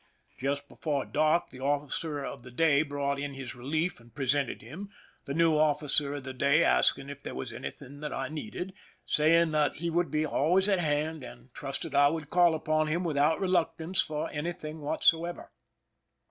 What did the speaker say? Just before dark the officer of the day brought in his relief and presented him, the new officer of the day asking if there was anything that I needed, saying that he would be always at hand, and trusted I would call upon him without reluctance for anything whatsoever.